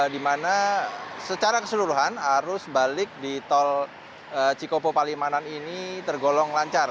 di mana secara keseluruhan arus balik di tol cikopo palimanan ini tergolong lancar